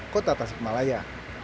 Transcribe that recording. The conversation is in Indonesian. kota tasik malaya